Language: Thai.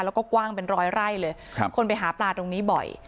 แล้วก็กว้างเป็นร้อยไร่เลยครับคนไปหาปลาตรงนี้บ่อย